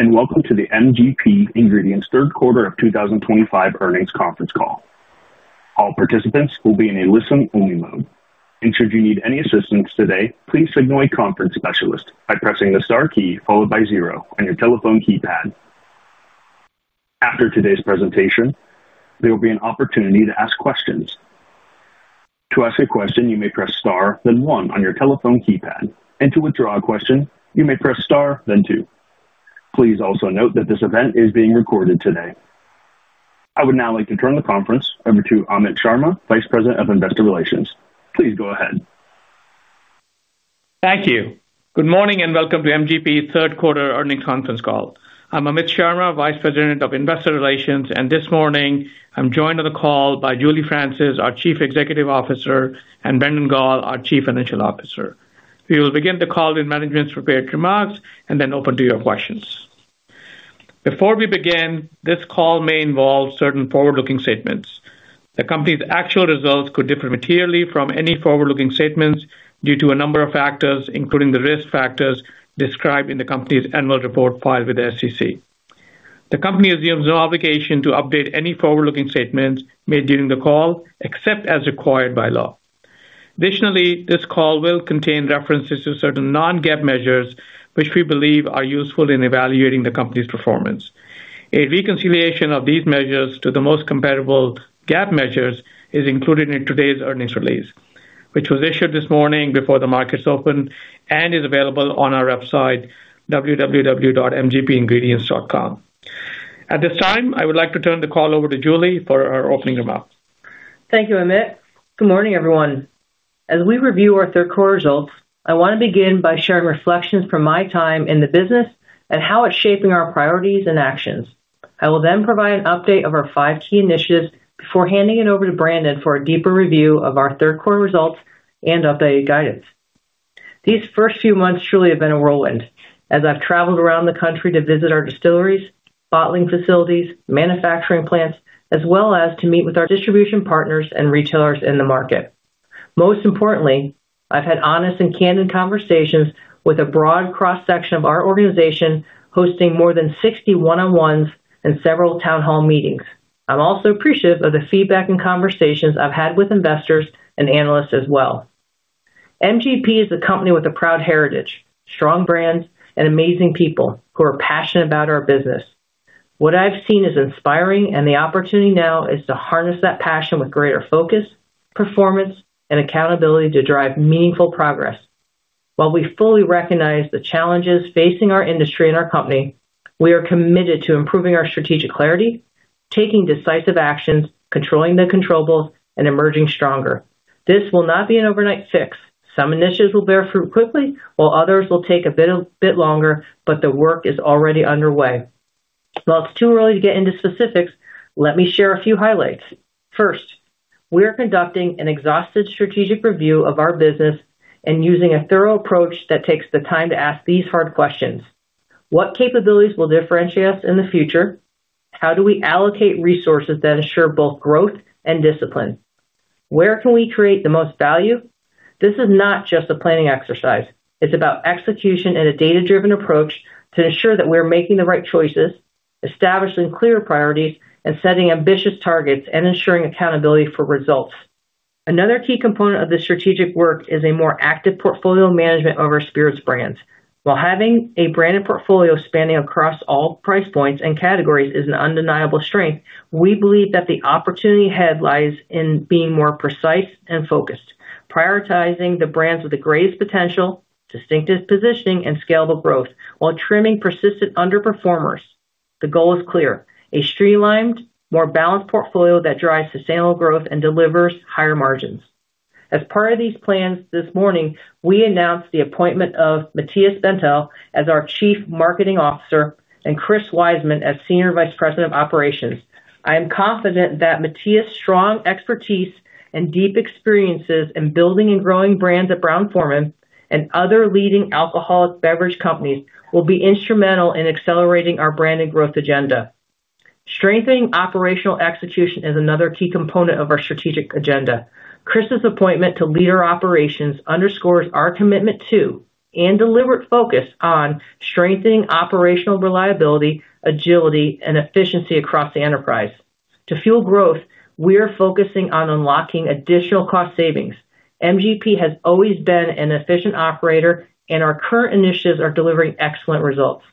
Good morning and welcome to the MGP Ingredients third quarter of 2025 earnings conference call. All participants will be in a listen-only mode. Should you need any assistance today, please signal a conference specialist by pressing the star key followed by zero on your telephone keypad. After today's presentation, there will be an opportunity to ask questions. To ask a question, you may press star then one on your telephone keypad. To withdraw a question, you may press star then two. Please also note that this event is being recorded today. I would now like to turn the conference over to Amit Sharma, Vice President of Investor Relations. Please go ahead. Thank you. Good morning and welcome to MGP Ingredients' third quarter earnings conference call. I'm Amit Sharma, Vice President of Investor Relations, and this morning I'm joined on the call by Julie Francis, our Chief Executive Officer, and Brandon Gall, our Chief Financial Officer. We will begin the call with management's prepared remarks and then open to your questions. Before we begin, this call may involve certain forward-looking statements. The company's actual results could differ materially from any forward-looking statements due to a number of factors, including the risk factors described in the company's annual report filed with the SEC. The company assumes no obligation to update any forward-looking statements made during the call, except as required by law. Additionally, this call will contain references to certain non-GAAP measures, which we believe are useful in evaluating the company's performance. A reconciliation of these measures to the most comparable GAAP measures is included in today's earnings release, which was issued this morning before the markets opened and is available on our website, www.mgpingredients.com. At this time, I would like to turn the call over to Julie for our opening remarks. Thank you, Amit. Good morning, everyone. As we review our third quarter results, I want to begin by sharing reflections from my time in the business and how it's shaping our priorities and actions. I will then provide an update of our five key initiatives before handing it over to Brandon for a deeper review of our third quarter results and updated guidance. These first few months truly have been a whirlwind, as I've traveled around the country to visit our distilleries, bottling facilities, manufacturing plants, as well as to meet with our distribution partners and retailers in the market. Most importantly, I've had honest and candid conversations with a broad cross-section of our organization, hosting more than 60 one-on-ones and several town hall meetings. I'm also appreciative of the feedback and conversations I've had with investors and analysts as well. MGP is a company with a proud heritage, strong brands, and amazing people who are passionate about our business. What I've seen is inspiring, and the opportunity now is to harness that passion with greater focus, performance, and accountability to drive meaningful progress. While we fully recognize the challenges facing our industry and our company, we are committed to improving our strategic clarity, taking decisive actions, controlling the controllable, and emerging stronger. This will not be an overnight fix. Some initiatives will bear fruit quickly, while others will take a bit longer, but the work is already underway. While it's too early to get into specifics, let me share a few highlights. First, we are conducting an exhaustive strategic review of our business and using a thorough approach that takes the time to ask these hard questions. What capabilities will differentiate us in the future? How do we allocate resources that ensure both growth and discipline? Where can we create the most value? This is not just a planning exercise. It's about execution and a data-driven approach to ensure that we are making the right choices, establishing clear priorities, and setting ambitious targets, and ensuring accountability for results. Another key component of this strategic work is a more active portfolio management of our spirits brands. While having a branded portfolio spanning across all price points and categories is an undeniable strength, we believe that the opportunity ahead lies in being more precise and focused, prioritizing the brands with the greatest potential, distinctive positioning, and scalable growth, while trimming persistent underperformers. The goal is clear: a streamlined, more balanced portfolio that drives sustainable growth and delivers higher margins. As part of these plans, this morning we announced the appointment of Matias Bentel as our Chief Marketing Officer and Chris Wiseman as Senior Vice President of Operations. I am confident that Matias' strong expertise and deep experiences in building and growing brands at Brown-Forman and other leading alcoholic beverage companies will be instrumental in accelerating our brand and growth agenda. Strengthening operational execution is another key component of our strategic agenda. Chris's appointment to lead our operations underscores our commitment to and deliberate focus on strengthening operational reliability, agility, and efficiency across the enterprise. To fuel growth, we are focusing on unlocking additional cost savings. MGP has always been an efficient operator, and our current initiatives are delivering excellent results.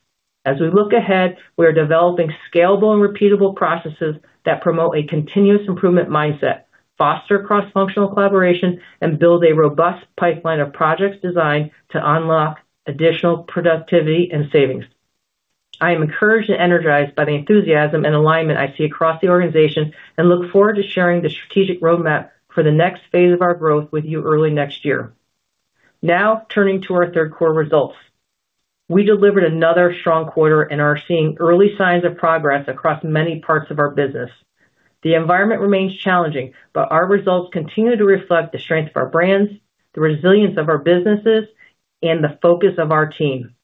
As we look ahead, we are developing scalable and repeatable processes that promote a continuous improvement mindset, foster cross-functional collaboration, and build a robust pipeline of projects designed to unlock additional productivity and savings. I am encouraged and energized by the enthusiasm and alignment I see across the organization and look forward to sharing the strategic roadmap for the next phase of our growth with you early next year. Now, turning to our third quarter results, we delivered another strong quarter and are seeing early signs of progress across many parts of our business. The environment remains challenging, but our results continue to reflect the strength of our brands, the resilience of our businesses, and the focus of our team.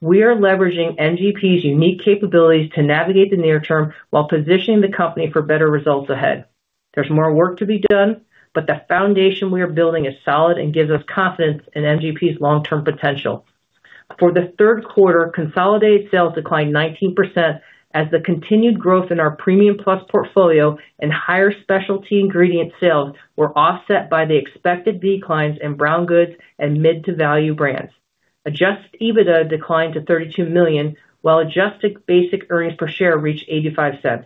We are leveraging MGP's unique capabilities to navigate the near term while positioning the company for better results ahead. There is more work to be done, but the foundation we are building is solid and gives us confidence in MGP's long-term potential. For the third quarter, consolidated sales declined 19% as the continued growth in our premium plus portfolio and higher specialty ingredient sales were offset by the expected declines in brown goods and mid-to-value brands. Adjusted EBITDA declined to $32 million, while adjusted basic earnings per share reached $0.85,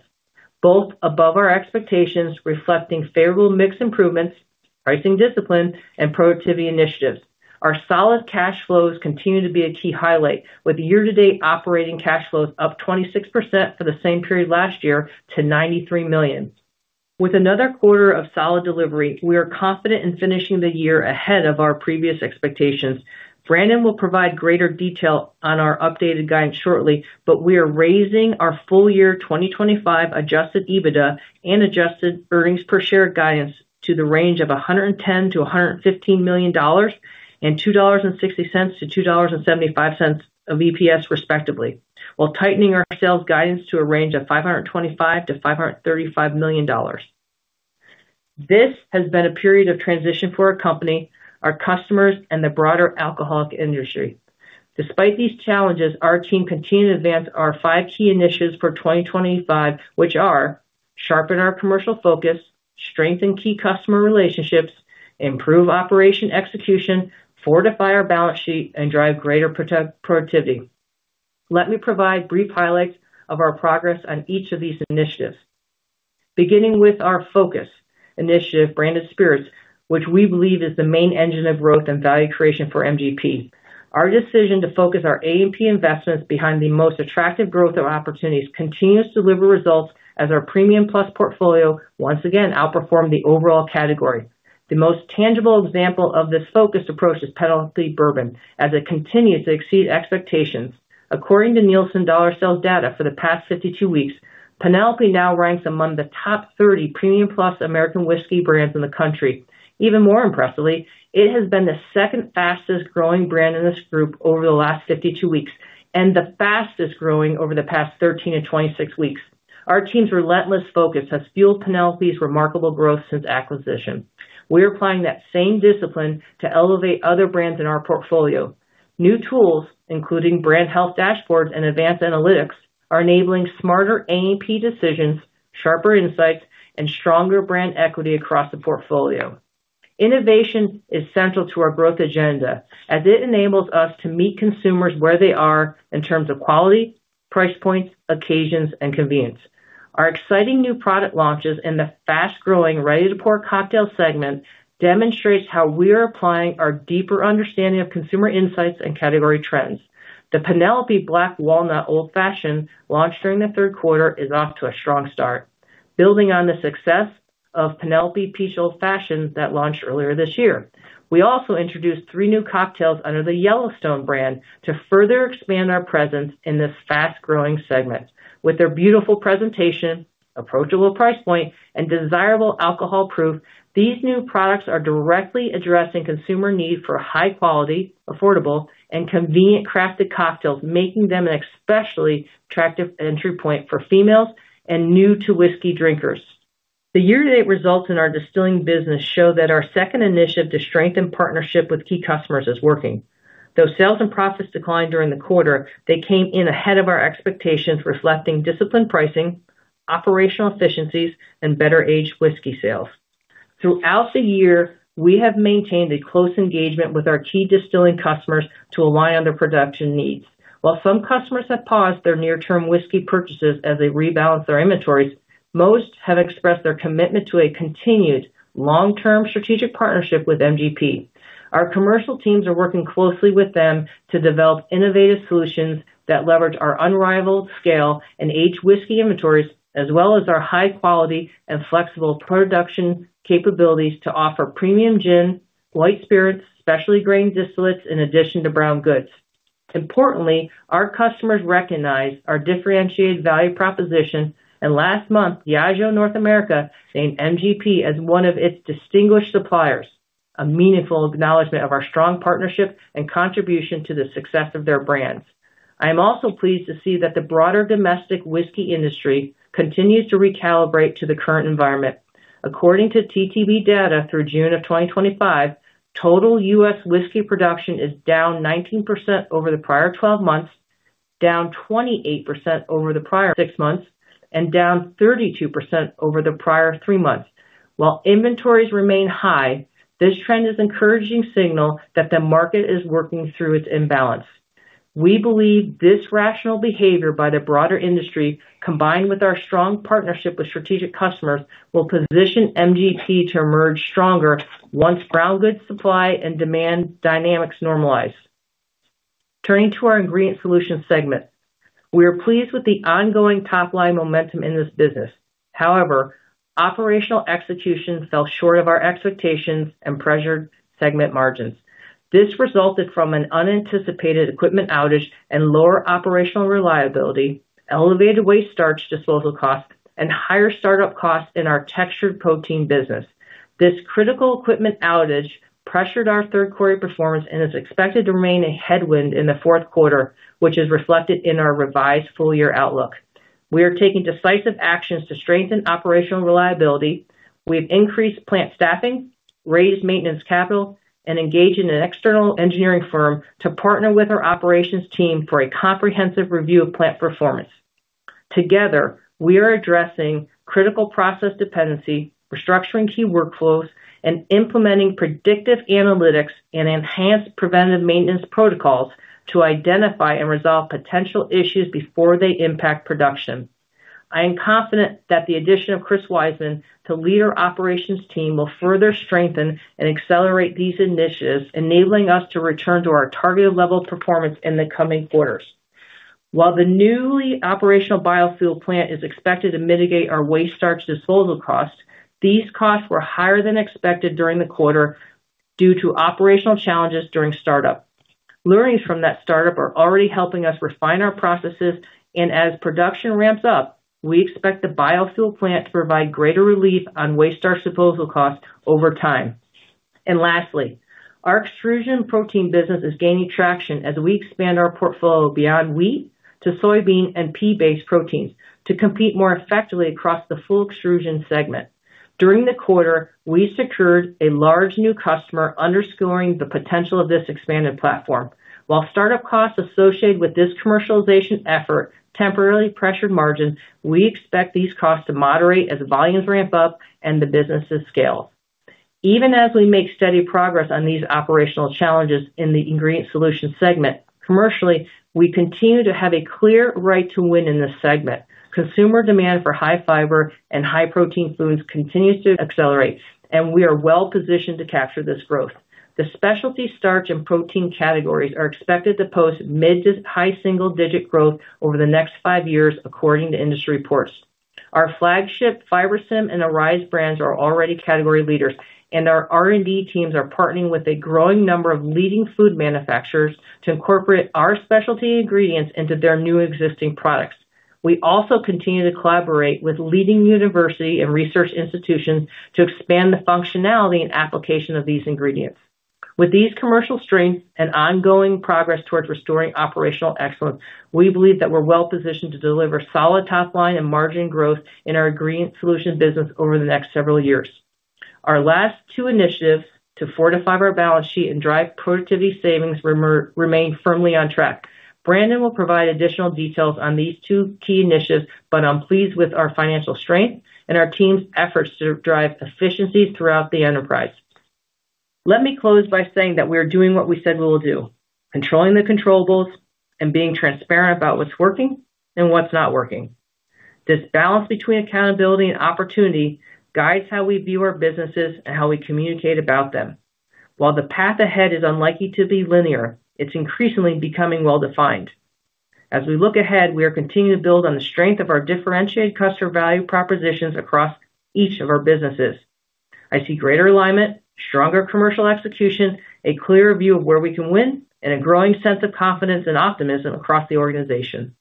both above our expectations, reflecting favorable mix improvements, pricing discipline, and productivity initiatives. Our solid cash flows continue to be a key highlight, with year-to-date operating cash flows up 26% for the same period last year to $93 million. With another quarter of solid delivery, we are confident in finishing the year ahead of our previous expectations. Brandon will provide greater detail on our updated guidance shortly, but we are raising our full-year 2025 adjusted EBITDA and adjusted earnings per share guidance to the range of $110 million-$115 million and $2.60-$2.75 of EPS, respectively, while tightening our sales guidance to a range of $525 million-$535 million. This has been a period of transition for our company, our customers, and the broader alcoholic industry. Despite these challenges, our team continues to advance our five key initiatives for 2025, which are sharpen our commercial focus, strengthen key customer relationships, improve operational execution, fortify our balance sheet, and drive greater productivity. Let me provide brief highlights of our progress on each of these initiatives. Beginning with our focus initiative, branded spirits, which we believe is the main engine of growth and value creation for MGP. Our decision to focus our AMP investments behind the most attractive growth opportunities continues to deliver results as our premium plus portfolio once again outperformed the overall category. The most tangible example of this focused approach is Penelope Bourbon, as it continues to exceed expectations. According to Nielsen Dollar Sales Data for the past 52 weeks, Penelope now ranks among the top 30 premium plus American whiskey brands in the country. Even more impressively, it has been the second fastest growing brand in this group over the last 52 weeks and the fastest growing over the past 13 to 26 weeks. Our team's relentless focus has fueled Penelope's remarkable growth since acquisition. We are applying that same discipline to elevate other brands in our portfolio. New tools, including brand health dashboards and advanced analytics, are enabling smarter AMP decisions, sharper insights, and stronger brand equity across the portfolio. Innovation is central to our growth agenda, as it enables us to meet consumers where they are in terms of quality, price points, occasions, and convenience. Our exciting new product launches and the fast-growing ready-to-pour cocktail segment demonstrate how we are applying our deeper understanding of consumer insights and category trends. The Penelope Black Walnut Old Fashioned launched during the third quarter is off to a strong start, building on the success of Penelope Peach Old Fashioned that launched earlier this year. We also introduced three new cocktails under the Yellowstone brand to further expand our presence in this fast-growing segment. With their beautiful presentation, approachable price point, and desirable alcohol proof, these new products are directly addressing consumer needs for high-quality, affordable, and convenient crafted cocktails, making them an especially attractive entry point for females and new-to-whiskey drinkers. The year-to-date results in our distilling business show that our second initiative to strengthen partnership with key customers is working. Though sales and profits declined during the quarter, they came in ahead of our expectations, reflecting disciplined pricing, operational efficiencies, and better-aged whiskey sales. Throughout the year, we have maintained a close engagement with our key distilling customers to align on their production needs. While some customers have paused their near-term whiskey purchases as they rebalance their inventories, most have expressed their commitment to a continued long-term strategic partnership with MGP. Our commercial teams are working closely with them to develop innovative solutions that leverage our unrivaled scale and aged whiskey inventories, as well as our high-quality and flexible production capabilities to offer premium gin, white spirits, and specially grained distillates in addition to brown goods. Importantly, our customers recognize our differentiated value proposition, and last month, Diageo North America named MGP as one of its distinguished suppliers, a meaningful acknowledgment of our strong partnership and contribution to the success of their brands. I am also pleased to see that the broader domestic whiskey industry continues to recalibrate to the current environment. According to TTB data through June of 2025, total U.S. whiskey production is down 19% over the prior 12 months, down 28% over the prior six months, and down 32% over the prior three months. While inventories remain high, this trend is an encouraging signal that the market is working through its imbalance. We believe this rational behavior by the broader industry, combined with our strong partnership with strategic customers, will position MGP to emerge stronger once brown goods supply and demand dynamics normalize. Turning to our ingredient solutions segment, we are pleased with the ongoing top-line momentum in this business. However, operational execution fell short of our expectations and pressured segment margins. This resulted from an unanticipated equipment outage and lower operational reliability, elevated waste starch disposal costs, and higher startup costs in our textured protein business. This critical equipment outage pressured our third-quarter performance and is expected to remain a headwind in the fourth quarter, which is reflected in our revised full-year outlook. We are taking decisive actions to strengthen operational reliability. We've increased plant staffing, raised maintenance capital, and engaged an external engineering firm to partner with our operations team for a comprehensive review of plant performance. Together, we are addressing critical process dependency, restructuring key workflows, and implementing predictive analytics and enhanced preventive maintenance protocols to identify and resolve potential issues before they impact production. I am confident that the addition of Chris Wiseman to the leadership operations team will further strengthen and accelerate these initiatives, enabling us to return to our targeted level of performance in the coming quarters. While the newly operational biofuel facility is expected to mitigate our waste starch disposal costs, these costs were higher than expected during the quarter due to operational challenges during startup. Learnings from that startup are already helping us refine our processes, and as production ramps up, we expect the biofuel facility to provide greater relief on waste starch disposal costs over time. Lastly, our extrusion protein business is gaining traction as we expand our portfolio beyond wheat to soybean and pea-based proteins to compete more effectively across the full extrusion segment. During the quarter, we secured a large new customer, underscoring the potential of this expanded platform. While startup costs associated with this commercialization effort temporarily pressured margins, we expect these costs to moderate as volumes ramp up and the businesses scale. Even as we make steady progress on these operational challenges in the ingredient solutions segment, commercially, we continue to have a clear right to win in this segment. Consumer demand for high fiber and high protein foods continues to accelerate, and we are well positioned to capture this growth. The specialty starch and protein categories are expected to post mid to high single-digit growth over the next five years, according to industry reports. Our flagship Fibersym and Arise brands are already category leaders, and our R&D teams are partnering with a growing number of leading food manufacturers to incorporate our specialty ingredients into their new and existing products. We also continue to collaborate with leading university and research institutions to expand the functionality and application of these ingredients. With these commercial strengths and ongoing progress towards restoring operational excellence, we believe that we're well positioned to deliver solid top-line and margin growth in our ingredient solutions business over the next several years. Our last two initiatives to fortify our balance sheet and drive productivity savings remain firmly on track. Brandon will provide additional details on these two key initiatives, but I'm pleased with our financial strength and our team's efforts to drive efficiency throughout the enterprise. Let me close by saying that we are doing what we said we will do, controlling the controllables and being transparent about what's working and what's not working. This balance between accountability and opportunity guides how we view our businesses and how we communicate about them. While the path ahead is unlikely to be linear, it's increasingly becoming well-defined. As we look ahead, we are continuing to build on the strength of our differentiated customer value propositions across each of our businesses. I see greater alignment, stronger commercial execution, a clearer view of where we can win, and a growing sense of confidence and optimism across the organization.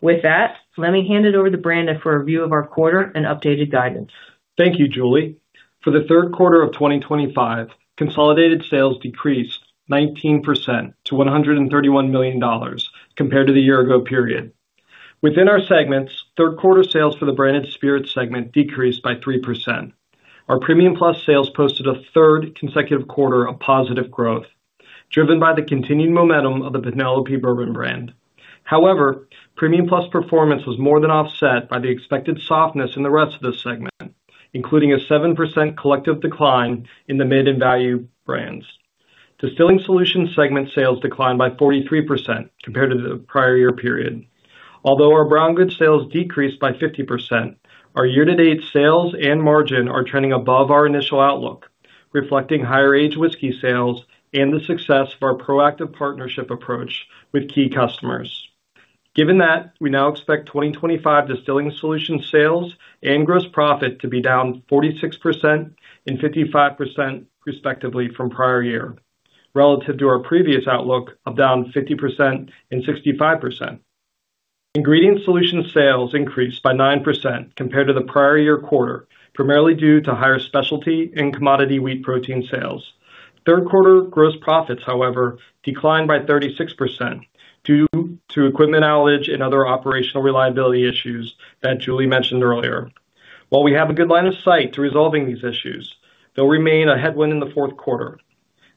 With that, let me hand it over to Brandon for a review of our quarter and updated guidance. Thank you, Julie. For the third quarter of 2025, consolidated sales decreased 19% to $131 million compared to the year-ago period. Within our segments, third-quarter sales for the branded spirits segment decreased by 3%. Our premium plus sales posted a third consecutive quarter of positive growth, driven by the continued momentum of the Penelope Bourbon brand. However, premium plus performance was more than offset by the expected softness in the rest of the segment, including a 7% collective decline in the mid-value brands. Distilling solutions segment sales declined by 43% compared to the prior year period. Although our brown goods sales decreased by 50%, our year-to-date sales and margin are trending above our initial outlook, reflecting higher aged whiskey sales and the success of our proactive partnership approach with key customers. Given that, we now expect 2025 distilling solutions sales and gross profit to be down 46% and 55% respectively from prior year, relative to our previous outlook of down 50% and 65%. Ingredient solutions sales increased by 9% compared to the prior year quarter, primarily due to higher specialty and commodity wheat protein sales. Third-quarter gross profits, however, declined by 36% due to equipment outages and other operational reliability issues that Julie mentioned earlier. While we have a good line of sight to resolving these issues, they'll remain a headwind in the fourth quarter.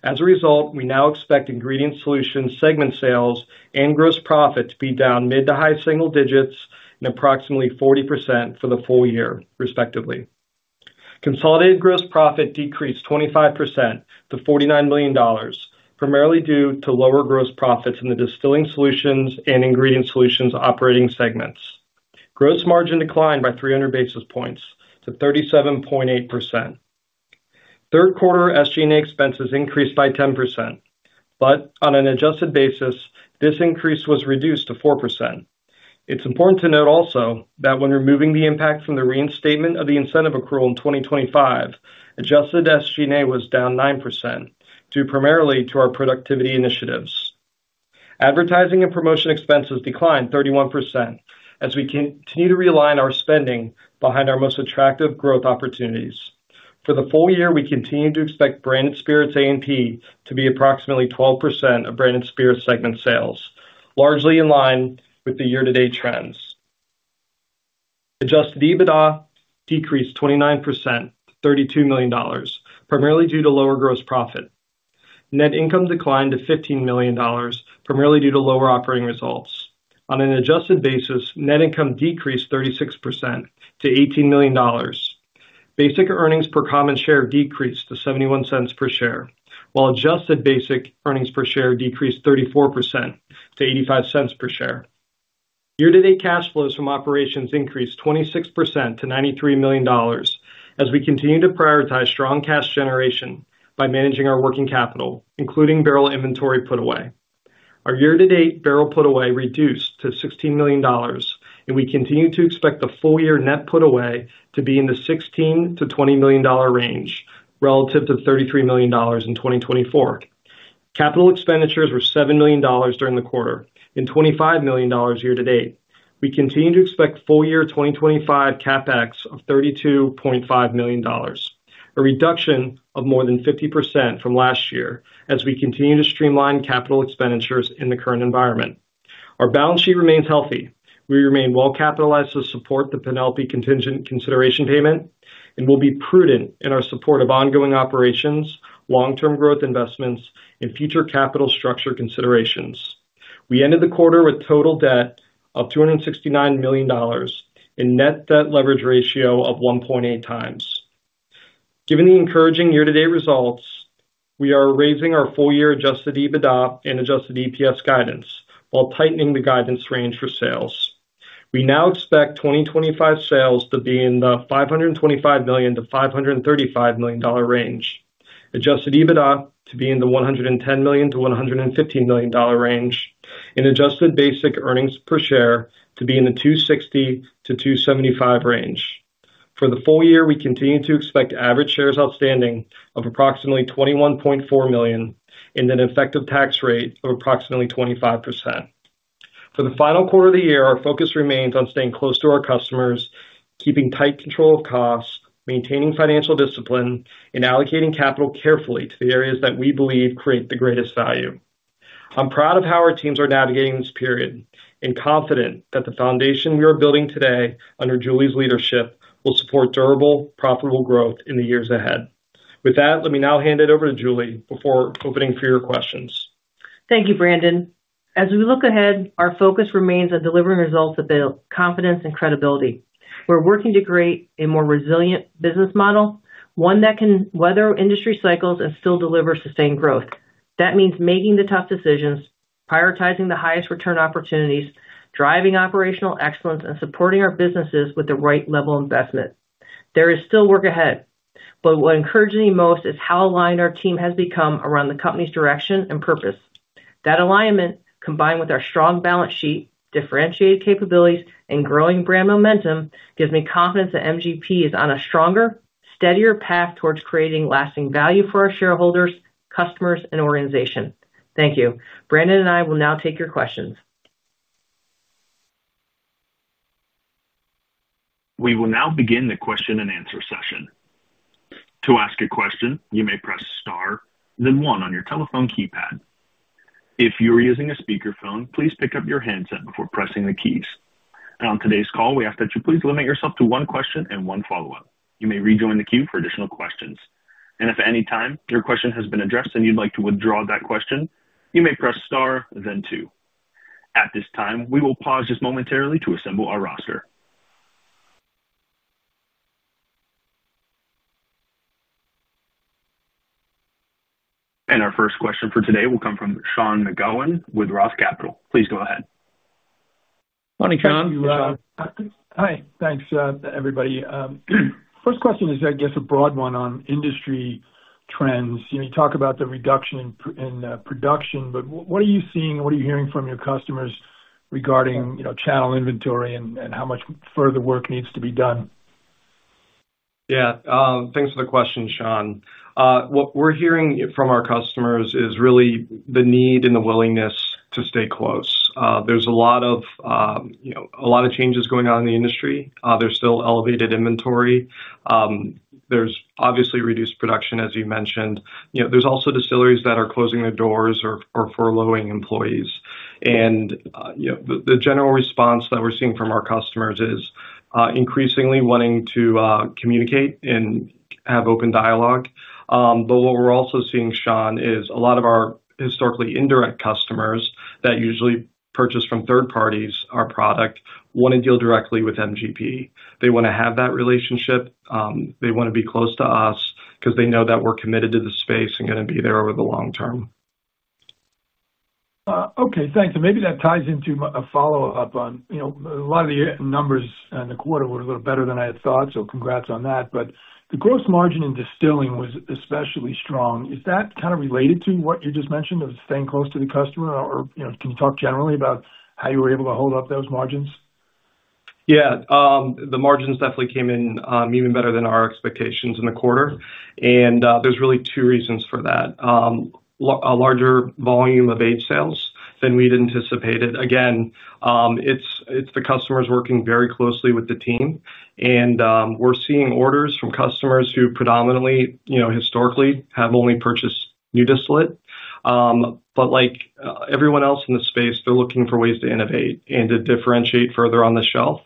As a result, we now expect ingredient solutions segment sales and gross profit to be down mid to high single digits and approximately 40% for the full year, respectively. Consolidated gross profit decreased 25% to $49 million, primarily due to lower gross profits in the distilling solutions and ingredient solutions operating segments. Gross margin declined by 300 basis points to 37.8%. Third-quarter SG&A expenses increased by 10%, but on an adjusted basis, this increase was reduced to 4%. It's important to note also that when removing the impact from the reinstatement of the incentive accrual in 2025, adjusted SG&A was down 9%, due primarily to our productivity initiatives. Advertising and promotion expenses declined 31% as we continue to realign our spending behind our most attractive growth opportunities. For the full year, we continue to expect branded spirits AMP to be approximately 12% of branded spirits segment sales, largely in line with the year-to-date trends. Adjusted EBITDA decreased 29% to $32 million, primarily due to lower gross profit. Net income declined to $15 million, primarily due to lower operating results. On an adjusted basis, net income decreased 36% to $18 million. Basic earnings per common share decreased to $0.71 per share, while adjusted basic earnings per share decreased 34% to $0.85 per share. Year-to-date cash flows from operations increased 26% to $93 million, as we continue to prioritize strong cash generation by managing our working capital, including barrel inventory put away. Our year-to-date barrel put away reduced to $16 million, and we continue to expect the full year net put away to be in the $16 to $20 million range relative to $33 million in 2024. Capital expenditures were $7 million during the quarter and $25 million year to date. We continue to expect full year 2025 CapEx of $32.5 million, a reduction of more than 50% from last year as we continue to streamline capital expenditures in the current environment. Our balance sheet remains healthy. We remain well capitalized to support the Penelope Contingent Consideration payment and will be prudent in our support of ongoing operations, long-term growth investments, and future capital structure considerations. We ended the quarter with total debt of $269 million and a net debt leverage ratio of 1.8x. Given the encouraging year-to-date results, we are raising our full year adjusted EBITDA and adjusted EPS guidance while tightening the guidance range for sales. We now expect 2025 sales to be in the $525 million-$535 million range, adjusted EBITDA to be in the $110 million-$115 million range, and adjusted basic earnings per share to be in the $2.60-$2.75 range. For the full year, we continue to expect average shares outstanding of approximately 21.4 million and an effective tax rate of approximately 25%. For the final quarter of the year, our focus remains on staying close to our customers, keeping tight control of costs, maintaining financial discipline, and allocating capital carefully to the areas that we believe create the greatest value. I'm proud of how our teams are navigating this period and confident that the foundation we are building today under Julie's leadership will support durable, profitable growth in the years ahead. With that, let me now hand it over to Julie before opening for your questions. Thank you, Brandon. As we look ahead, our focus remains on delivering results that build confidence and credibility. We're working to create a more resilient business model, one that can weather industry cycles and still deliver sustained growth. That means making the tough decisions, prioritizing the highest return opportunities, driving operational excellence, and supporting our businesses with the right level of investment. There is still work ahead, but what I encourage the most is how aligned our team has become around the company's direction and purpose. That alignment, combined with our strong balance sheet, differentiated capabilities, and growing brand momentum, gives me confidence hat MGP is on a stronger, steadier path towards creating lasting value for our shareholders, customers, and organization. Thank you. Brandon and I will now take your questions. We will now begin the question and answer session. To ask a question, you may press star, then one on your telephone keypad. If you are using a speakerphone, please pick up your handset before pressing the keys. On today's call, we ask that you please limit yourself to one question and one follow-up. You may rejoin the queue for additional questions. If at any time your question has been addressed and you'd like to withdraw that question, you may press star, then two. At this time, we will pause just momentarily to assemble our roster. Our first question for today will come from Sean McGowan with ROTH Capital. Please go ahead. Morning, Sean. Morning, Sean. Hi, thanks, everybody. First question is, I guess, a broad one on industry trends. You talk about the reduction in production, but what are you seeing and what are you hearing from your customers regarding channel inventory, and how much further work needs to be done? Yeah, thanks for the question, Sean. What we're hearing from our customers is really the need and the willingness to stay close. There's a lot of changes going on in the industry. There's still elevated inventory. There's obviously reduced production, as you mentioned. There are also distilleries that are closing their doors or furloughing employees. The general response that we're seeing from our customers is increasingly wanting to communicate and have open dialogue. What we're also seeing, Sean, is a lot of our historically indirect customers that usually purchase from third parties our product want to deal directly with MGP. They want to have that relationship. They want to be close to us because they know that we're committed to the space and going to be there over the long term. Okay, thanks. Maybe that ties into a follow-up. A lot of the numbers in the quarter were a little better than I had thought, so congrats on that. The gross margin in distilling was especially strong. Is that kind of related to what you just mentioned of staying close to the customer? Can you talk generally about how you were able to hold up those margins? Yeah, the margins definitely came in even better than our expectations in the quarter. There are really two reasons for that. A larger volume of aged sales than we'd anticipated. It's the customers working very closely with the team. We're seeing orders from customers who predominantly, you know, historically have only purchased new distillate. Like everyone else in the space, they're looking for ways to innovate and to differentiate further on the shelf.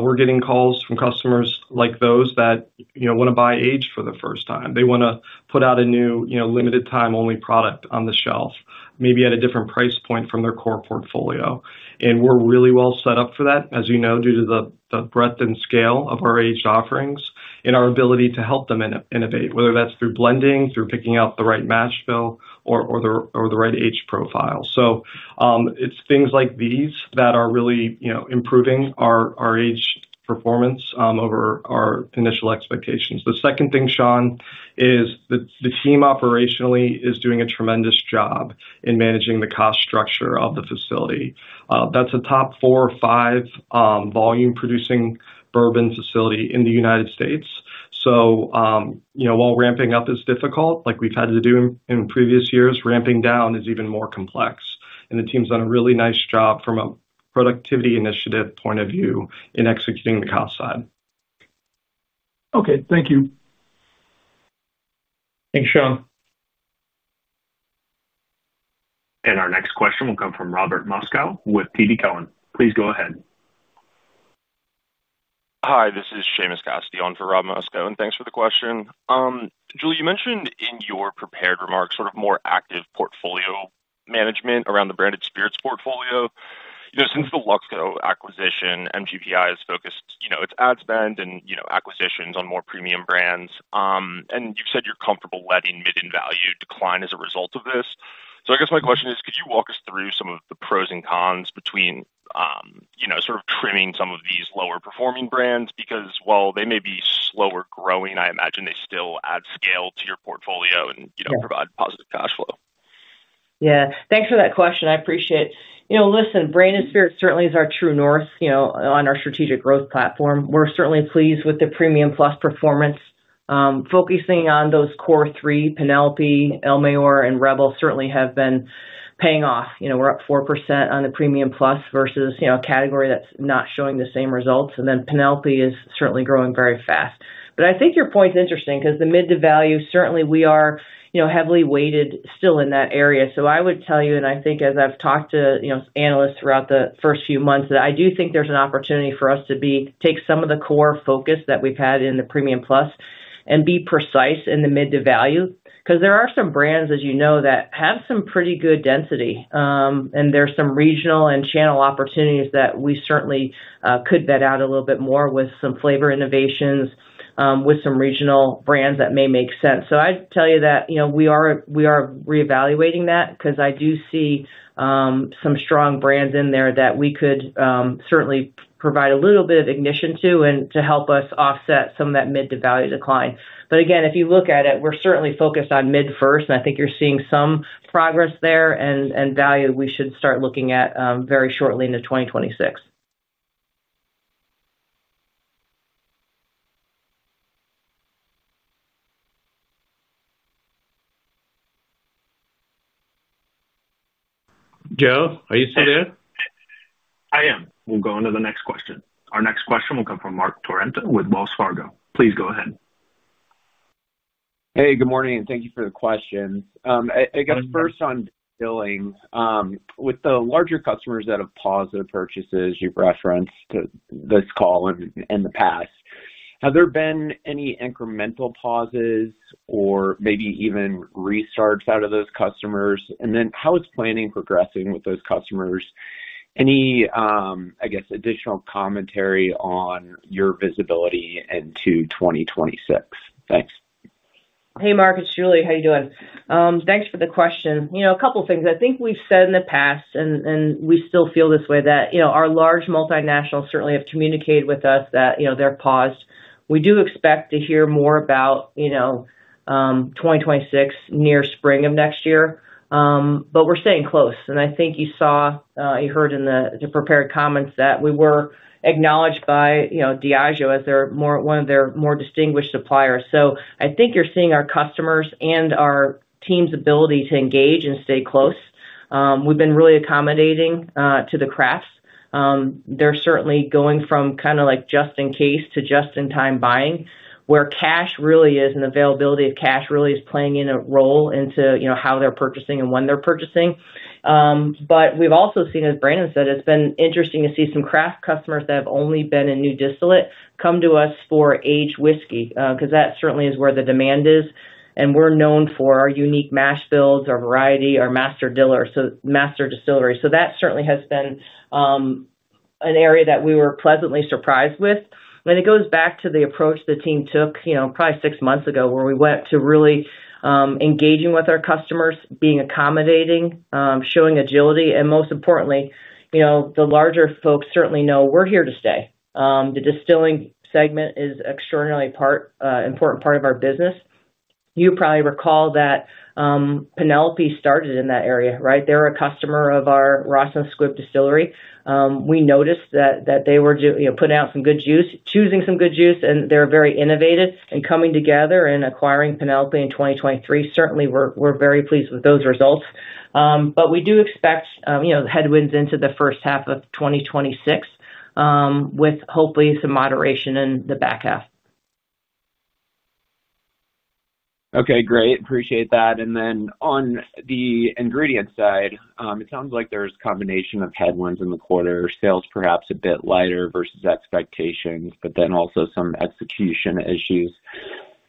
We're getting calls from customers like those that want to buy aged for the first time. They want to put out a new, limited-time-only product on the shelf, maybe at a different price point from their core portfolio. We're really well set up for that, as you know, due to the breadth and scale of our aged offerings and our ability to help them innovate, whether that's through blending, through picking out the right mash fill, or the right aged profile. It's things like these that are really improving our aged performance over our initial expectations. The second thing, Sean, is the team operationally is doing a tremendous job in managing the cost structure of the facility. That's a top four or five volume-producing bourbon facility in the U.S. While ramping up is difficult, like we've had to do in previous years, ramping down is even more complex. The team's done a really nice job from a productivity initiative point of view in executing the cost side. Okay, thank you. Thanks, Sean. Our next question will come from Robert Moskow with TD Cowen. Please go ahead. Hi, this is Seamus Cassidy on for Rob Moscow. Thanks for the question. Julie, you mentioned in your prepared remarks more active portfolio management around the branded spirits portfolio. Since the Luxco acquisition, MGP Ingredients has focused its ad spend and acquisitions on more premium brands. You've said you're comfortable letting mid-value decline as a result of this. My question is, could you walk us through some of the pros and cons between trimming some of these lower performing brands? While they may be slower growing, I imagine they still add scale to your portfolio and provide positive cash flow. Yeah, thanks for that question. I appreciate it. You know, listen, Brandon's spirit certainly is our true north, you know, on our strategic growth platform. We're certainly pleased with the premium plus performance. Focusing on those core three, Penelope, El Mayor, and Rebel certainly have been paying off. You know, we're up 4% on the premium plus versus, you know, a category that's not showing the same results. Penelope is certainly growing very fast. I think your point's interesting because the mid-to-value certainly we are, you know, heavily weighted still in that area. I would tell you, and I think as I've talked to, you know, analysts throughout the first few months, that I do think there's an opportunity for us to take some of the core focus that we've had in the premium plus and be precise in the mid-to-value. There are some brands, as you know, that have some pretty good density. There are some regional and channel opportunities that we certainly could bet out a little bit more with some flavor innovations, with some regional brands that may make sense. I'd tell you that, you know, we are reevaluating that because I do see some strong brands in there that we could certainly provide a little bit of ignition to and to help us offset some of that mid-to-value decline. Again, if you look at it, we're certainly focused on mid first, and I think you're seeing some progress there and value we should start looking at very shortly into 2026. Joe, are you still there? I am. We'll go on to the next question. Our next question will come from Marc Torrente with Wells Fargo. Please go ahead. Hey, good morning. Thank you for the questions. I guess first on billing. With the larger customers that have paused their purchases you've referenced this call and in the past, have there been any incremental pauses or maybe even restarts out of those customers? How is planning progressing with those customers? Any additional commentary on your visibility into 2026? Thanks. Hey, Mark. It's Julie. How are you doing? Thanks for the question. A couple of things. I think we've said in the past, and we still feel this way, that our large multinationals certainly have communicated with us that they're paused. We do expect to hear more about 2026 near spring of next year. We're staying close. I think you saw, you heard in the prepared comments that we were acknowledged by Diageo as one of their more distinguished suppliers. I think you're seeing our customers and our team's ability to engage and stay close. We've been really accommodating to the crafts. They're certainly going from kind of just-in-case to just-in-time buying, where cash really is, and the availability of cash really is playing a role into how they're purchasing and when they're purchasing. We've also seen, as Brandon said, it's been interesting to see some craft customers that have only been in new distillate come to us for aged whiskey, because that certainly is where the demand is. We're known for our unique mash builds, our variety, our master distilleries. That certainly has been an area that we were pleasantly surprised with. It goes back to the approach the team took, probably six months ago, where we went to really engaging with our customers, being accommodating, showing agility, and most importantly, the larger folks certainly know we're here to stay. The distilling solutions segment is an extraordinarily important part of our business. You probably recall that Penelope started in that area, right? They're a customer of our Ross and Squibb distillery. We noticed that they were putting out some good juice, choosing some good juice, and they're very innovative in coming together and acquiring Penelope in 2023. Certainly, we're very pleased with those results. We do expect headwinds into the first half of 2026, with hopefully some moderation in the back half. Okay, great. Appreciate that. On the ingredient side, it sounds like there's a combination of headwinds in the quarter, sales perhaps a bit lighter versus expectations, but also some execution issues.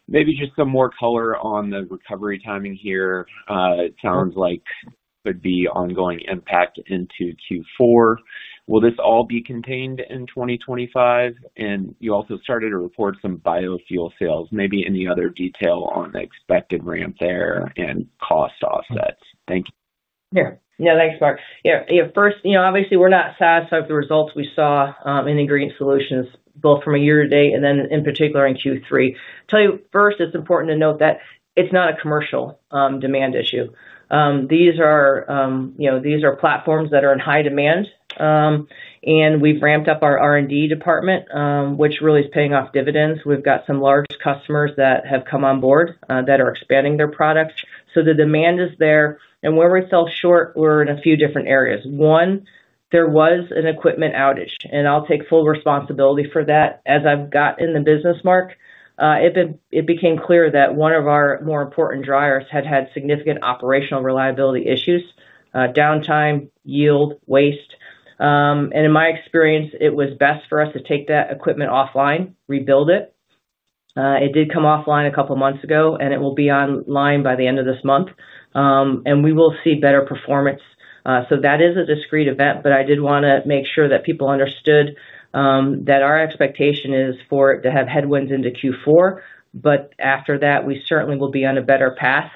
Maybe just some more color on the recovery timing here. It sounds like there could be ongoing impact into Q4. Will this all be contained in 2025? You also started to report some biofuel sales. Maybe any other detail on the expected ramp there and cost offsets? Thank you. Yeah, thanks, Mark. First, obviously we're not satisfied with the results we saw in ingredient solutions, both from a year-to-date and in particular in Q3. I'll tell you first, it's important to note that it's not a commercial demand issue. These are platforms that are in high demand. We've ramped up our R&D department, which really is paying off dividends. We've got some large customers that have come on board that are expanding their products. The demand is there. Where we fell short, we're in a few different areas. One, there was an equipment outage. I'll take full responsibility for that. As I've got in the business, Mark, it became clear that one of our more important dryers had had significant operational reliability issues, downtime, yield, waste. In my experience, it was best for us to take that equipment offline, rebuild it. It did come offline a couple of months ago, and it will be online by the end of this month. We will see better performance. That is a discrete event, but I did want to make sure that people understood that our expectation is for it to have headwinds into Q4. After that, we certainly will be on a better path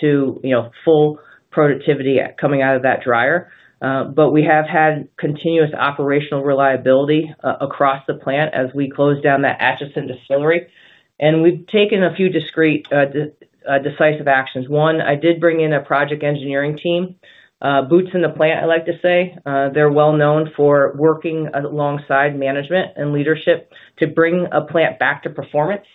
to full productivity coming out of that dryer. We have had continuous operational reliability across the plant as we closed down that Atchison distillery. We've taken a few discrete, decisive actions. One, I did bring in a project engineering team, boots in the plant, I like to say. They're well known for working alongside management and leadership to bring a plant back to performance.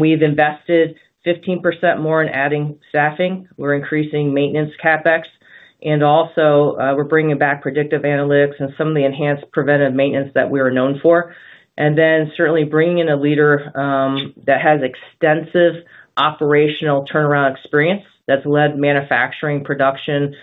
We've invested 15% more in adding staffing. We're increasing maintenance CapEx. We're bringing back predictive analytics and some of the enhanced preventive maintenance that we are known for. Certainly bringing in a leader that has extensive operational turnaround experience that's led manufacturing, production,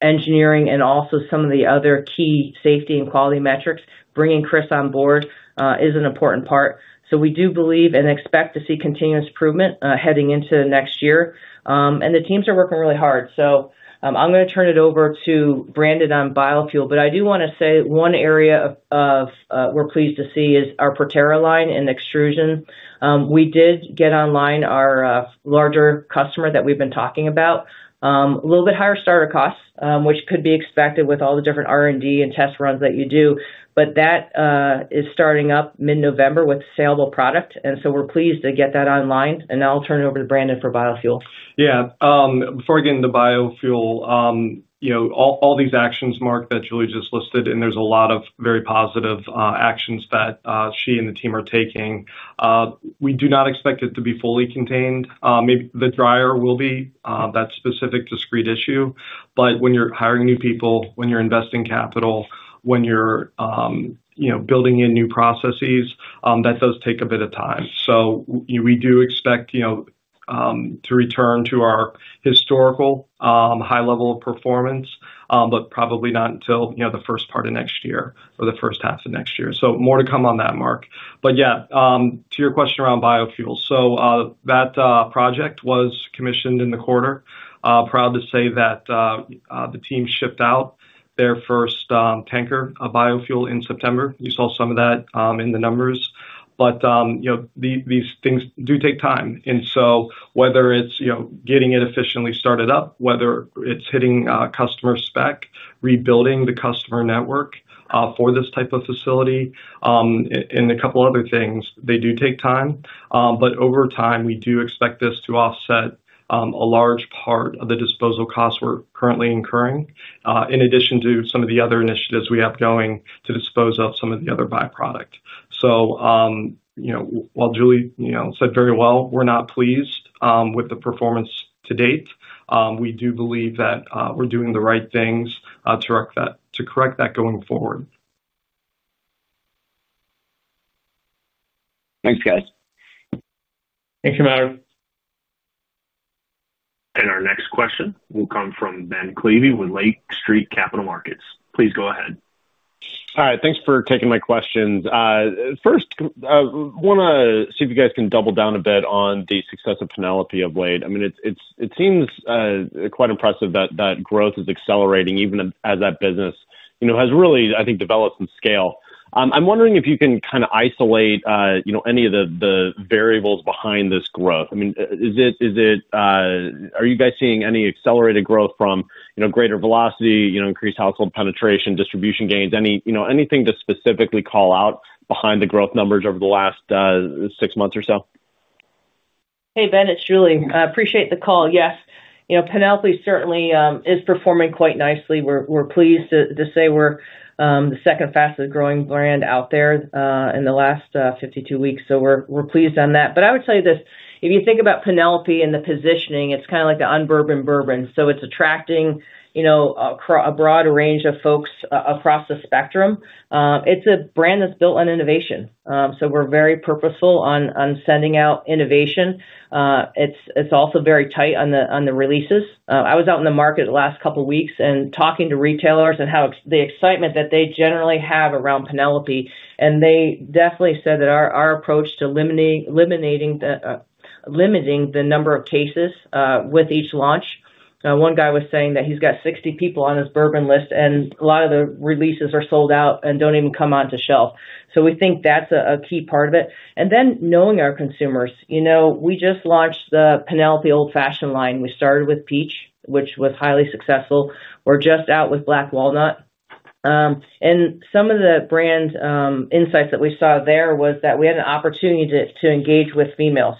engineering, and also some of the other key safety and quality metrics. Bringing Chris on board is an important part. We do believe and expect to see continuous improvement heading into the next year. The teams are working really hard. I'm going to turn it over to Brandon on biofuel. I do want to say one area we're pleased to see is our Protera line and extrusion. We did get online our larger customer that we've been talking about. A little bit higher startup costs, which could be expected with all the different R&D and test runs that you do. That is starting up mid-November with a saleable product. We're pleased to get that online. Now I'll turn it over to Brandon for biofuel. Yeah, before I get into biofuel, all these actions, Mark, that Julie just listed, and there's a lot of very positive actions that she and the team are taking. We do not expect it to be fully contained. Maybe the dryer will be that specific discrete issue. When you're hiring new people, when you're investing capital, when you're building in new processes, that does take a bit of time. We do expect to return to our historical high level of performance, but probably not until the first part of next year or the first half of next year. More to come on that, Mark. To your question around biofuel, that project was commissioned in the quarter. Proud to say that the team shipped out their first tanker of biofuel in September. You saw some of that in the numbers. These things do take time. Whether it's getting it efficiently started up, whether it's hitting customer spec, rebuilding the customer network for this type of facility, and a couple of other things, they do take time. Over time, we do expect this to offset a large part of the disposal costs we're currently incurring, in addition to some of the other initiatives we have going to dispose of some of the other byproduct. While Julie said very well, we're not pleased with the performance to date. We do believe that we're doing the right things to correct that going forward. Thanks, guys. Thank you, Matt. Our next question will come from Ben Klieve with Lake Street. Please go ahead. All right, thanks for taking my questions. First, I want to see if you guys can double down a bit on the success of Penelope of late. It seems quite impressive that that growth is accelerating, even as that business has really, I think, developed some scale. I'm wondering if you can kind of isolate any of the variables behind this growth. Is it, are you guys seeing any accelerated growth from greater velocity, increased household penetration, distribution gains, anything to specifically call out behind the growth numbers over the last six months or so? Hey, Ben, it's Julie. I appreciate the call. Yes, you know, Penelope certainly is performing quite nicely. We're pleased to say we're the second fastest growing brand out there in the last 52 weeks. We're pleased on that. If you think about Penelope and the positioning, it's kind of like the unbourbon bourbon. It's attracting a broad range of folks across the spectrum. It's a brand that's built on innovation. We're very purposeful on sending out innovation. It's also very tight on the releases. I was out in the market the last couple of weeks and talking to retailers and the excitement that they generally have around Penelope. They definitely said that our approach to eliminating the number of cases with each launch, one guy was saying that he's got 60 people on his bourbon list and a lot of the releases are sold out and don't even come onto shelf. We think that's a key part of it. Knowing our consumers, we just launched the Penelope old-fashioned line. We started with peach, which was highly successful. We're just out with black walnut. Some of the brand insights that we saw there was that we had an opportunity to engage with females,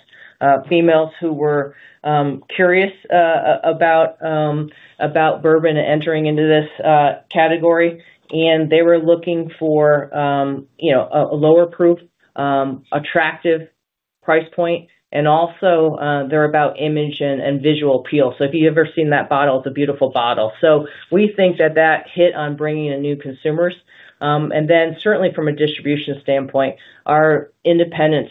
females who were curious about bourbon entering into this category. They were looking for a lower proof, attractive price point. They're about image and visual appeal. If you've ever seen that bottle, it's a beautiful bottle. We think that that hit on bringing in new consumers. Certainly from a distribution standpoint, our independents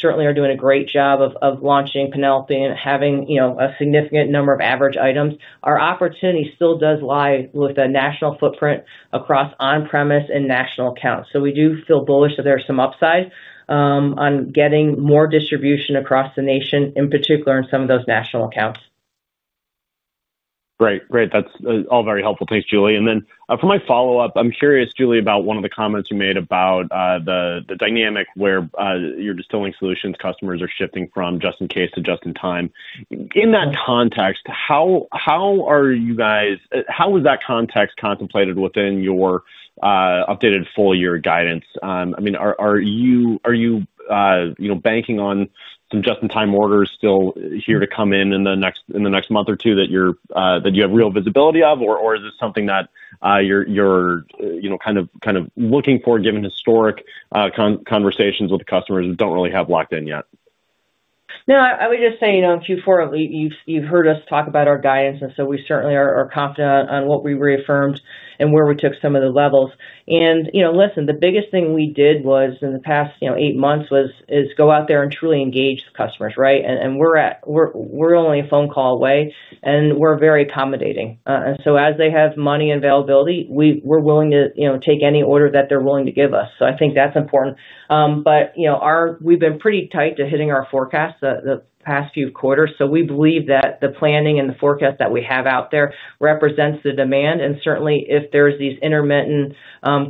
certainly are doing a great job of launching Penelope and having a significant number of average items. Our opportunity still does lie with a national footprint across on-premise and national accounts. We do feel bullish that there's some upside on getting more distribution across the nation, in particular in some of those national accounts. Great, great. That's all very helpful. Thanks, Julie. For my follow-up, I'm curious, Julie, about one of the comments you made about the dynamic where your distilling solutions customers are shifting from just-in-case to just-in-time. In that context, how are you guys, how is that context contemplated within your updated full-year guidance? I mean, are you banking on some just-in-time orders still here to come in in the next month or two that you have real visibility of? Or is this something that you're kind of looking for, given historic conversations with the customers who don't really have locked in yet? No, I would just say, you know, in Q4, you've heard us talk about our guidance. We certainly are confident on what we reaffirmed and where we took some of the levels. The biggest thing we did in the past eight months was go out there and truly engage the customers, right? We're only a phone call away, and we're very accommodating. As they have money and availability, we're willing to take any order that they're willing to give us. I think that's important. We've been pretty tight to hitting our forecasts the past few quarters, so we believe that the planning and the forecast that we have out there represents the demand. Certainly, if there's these intermittent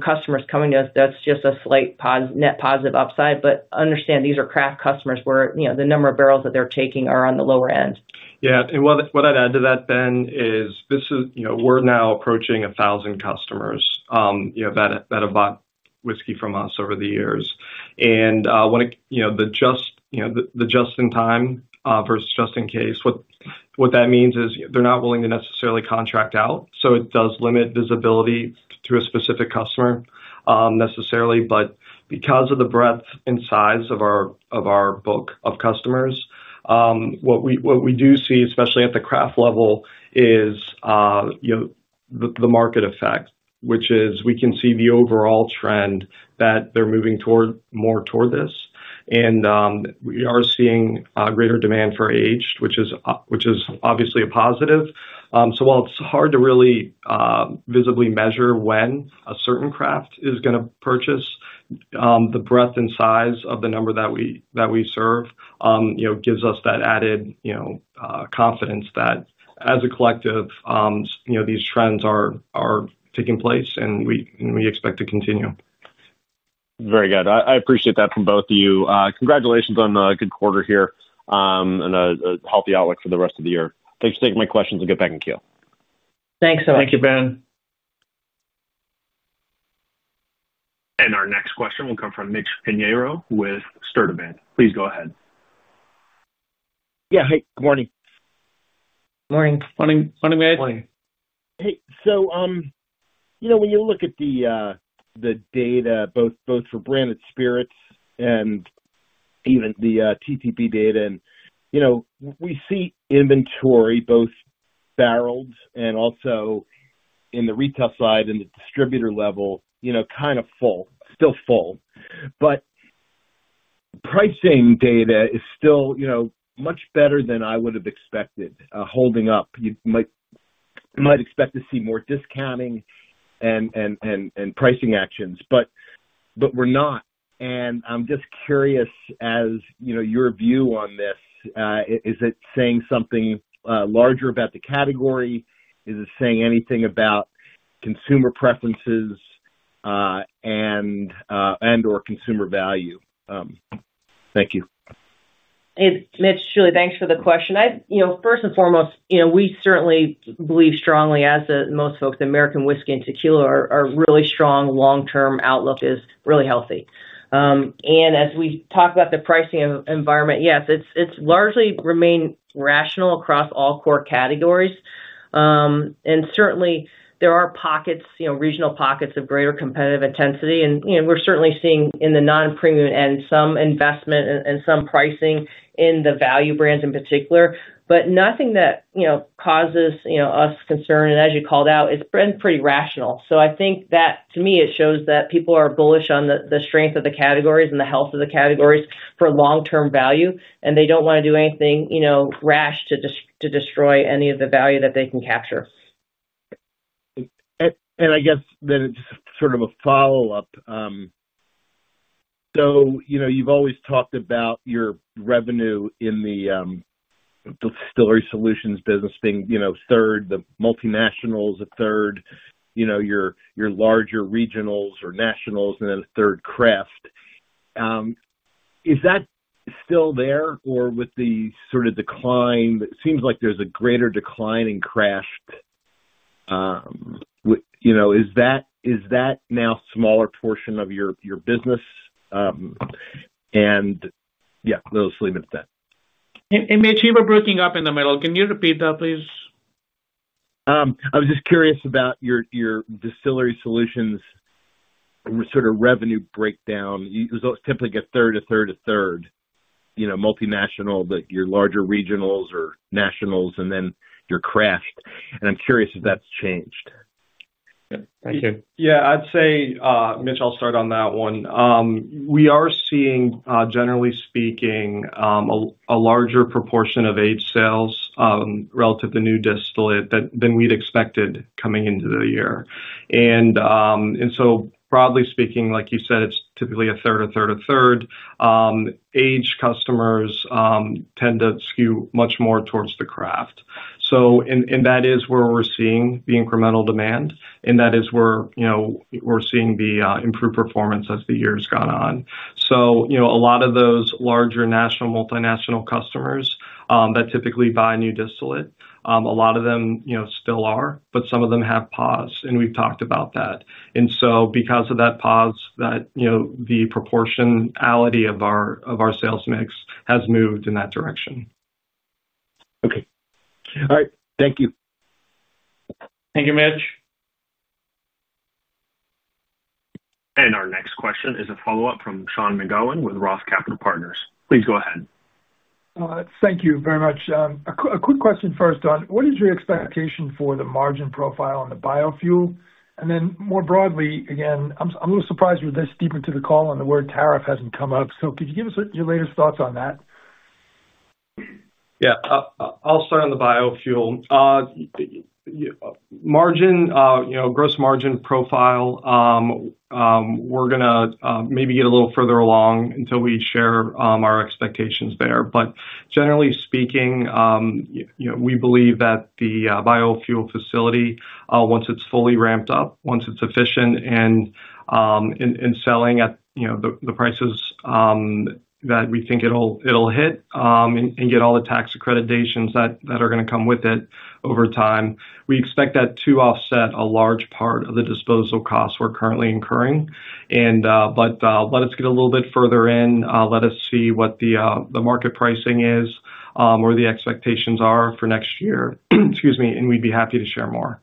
customers coming to us, that's just a slight net positive upside. Understand these are craft customers where the number of barrels that they're taking are on the lower end. Yeah, what I'd add to that, Ben, is this is, you know, we're now approaching 1,000 customers that have bought whiskey from us over the years. When the just-in-time versus just-in-case, what that means is they're not willing to necessarily contract out. It does limit visibility to a specific customer necessarily. Because of the breadth and size of our book of customers, what we do see, especially at the craft level, is the market effect, which is we can see the overall trend that they're moving more toward this. We are seeing greater demand for aged, which is obviously a positive. While it's hard to really visibly measure when a certain craft is going to purchase, the breadth and size of the number that we serve gives us that added confidence that as a collective, these trends are taking place and we expect to continue. Very good. I appreciate that from both of you. Congratulations on a good quarter here and a healthy outlook for the rest of the year. Thanks for taking my questions. I'll get back in queue. Thanks so much. Thank you, Ben. Our next question will come from Mitch Pinheiro with Sturdivant. Please go ahead. Yeah, hi. Good morning. Morning. Funny, funny way. Morning. Hey, when you look at the data, both for branded spirits and even the TTP data, we see inventory both barreled and also in the retail side and the distributor level, kind of full, still full. Pricing data is still much better than I would have expected holding up. You might expect to see more discounting and pricing actions, but we're not. I'm just curious as you know your view on this. Is it saying something larger about the category? Is it saying anything about consumer preferences and/or consumer value? Thank you. Mitch, Julie, thanks for the question. First and foremost, we certainly believe strongly, as most folks, American whiskey and tequila are really strong. Long-term outlook is really healthy. As we talk about the pricing environment, yes, it's largely remained rational across all core categories. Certainly, there are pockets, regional pockets of greater competitive intensity. We're certainly seeing in the non-premium end some investment and some pricing in the value brands in particular, but nothing that causes us concern. As you called out, it's been pretty rational. I think that to me, it shows that people are bullish on the strength of the categories and the health of the categories for long-term value. They don't want to do anything rash to destroy any of the value that they can capture. I guess then it's sort of a follow-up. You've always talked about your revenue in the distilling solutions business being a third the multinationals, a third your larger regionals or nationals, and then a third craft. Is that still there or with the sort of decline? It seems like there's a greater decline in craft. Is that now a smaller portion of your business? Let's leave it at that. Mitch, you were breaking up in the middle. Can you repeat that, please? I was just curious about your distilling solutions sort of revenue breakdown. It was always typically a third, a third, a third, you know, multinational, but your larger regionals or nationals, and then your craft. I'm curious if that's changed. Thank you. Yeah, I'd say, Mitch, I'll start on that one. We are seeing, generally speaking, a larger proportion of aged sales relative to new distillate than we'd expected coming into the year. Broadly speaking, like you said, it's typically a third, a third, a third. Aged customers tend to skew much more towards the craft. That is where we're seeing the incremental demand, and that is where we're seeing the improved performance as the year has gone on. A lot of those larger national, multinational customers that typically buy new distillate, a lot of them still are, but some of them have paused. We've talked about that. Because of that pause, the proportionality of our sales mix has moved in that direction. Okay. All right. Thank you. Thank you, Mitch. Our next question is a follow-up from Sean McGowan with ROTH Capital. Please go ahead. Thank you very much. A quick question first on what is your expectation for the margin profile on the biofuel facility? More broadly, again, I'm a little surprised you're this deep into the call and the word tariff hasn't come up. Could you give us your latest thoughts on that? Yeah, I'll start on the biofuel. Margin, you know, gross margin profile, we're going to maybe get a little further along until we share our expectations there. Generally speaking, you know, we believe that the biofuel facility, once it's fully ramped up, once it's efficient and selling at, you know, the prices that we think it'll hit and get all the tax accreditations that are going to come with it over time, we expect that to offset a large part of the disposal costs we're currently incurring. Let us get a little bit further in. Let us see what the market pricing is or the expectations are for next year. Excuse me, and we'd be happy to share more.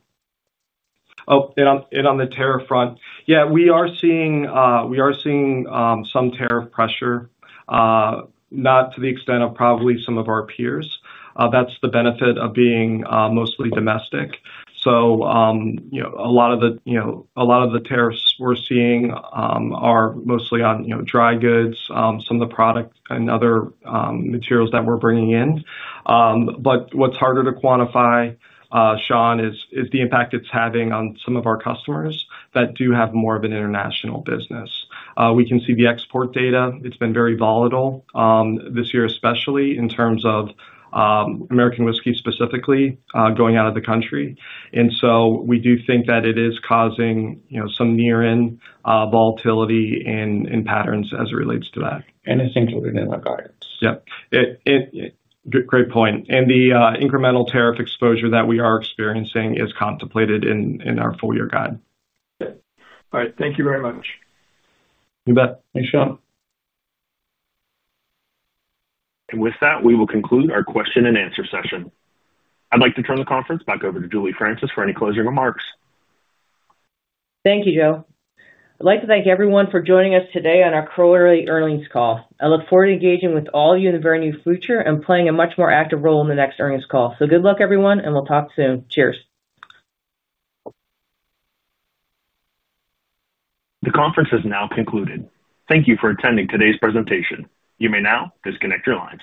Oh, and on the tariff front, yeah, we are seeing some tariff pressure, not to the extent of probably some of our peers. That's the benefit of being mostly domestic. A lot of the tariffs we're seeing are mostly on, you know, dry goods, some of the product, and other materials that we're bringing in. What's harder to quantify, Sean, is the impact it's having on some of our customers that do have more of an international business. We can see the export data. It's been very volatile this year, especially in terms of American whiskey specifically going out of the country. We do think that it is causing, you know, some near-end volatility and patterns as it relates to that. I think you'll get that in our guidance. Great point. The incremental tariff exposure that we are experiencing is contemplated in our full-year guide. All right, thank you very much. You bet. Thanks, Sean. We will conclude our question and answer session. I'd like to turn the conference back over to Julie Francis for any closing remarks. Thank you, Joe. I'd like to thank everyone for joining us today on our quarterly earnings call. I look forward to engaging with all of you in the very near future and playing a much more active role in the next earnings call. Good luck, everyone, and we'll talk soon. Cheers. The conference has now concluded. Thank you for attending today's presentation. You may now disconnect your lines.